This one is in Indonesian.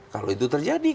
kalau itu terjadi